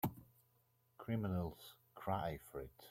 Criminals cry for it.